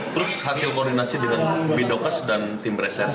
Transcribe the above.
terus hasil koordinasi dengan bidokes dan tim reserse